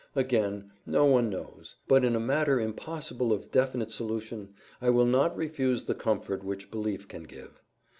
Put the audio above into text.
Again, no one knows, but in a matter impossible of definite solution I will not refuse the comfort which belief can give.